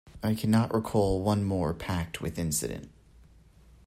I cannot recall one more packed with incident.